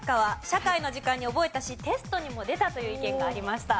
社会の時間に覚えたしテストにも出たという意見がありました。